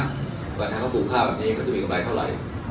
กว่านั่นเขากูลค่าเบาะนี่เขาจะมีกำไรเท่าไหร่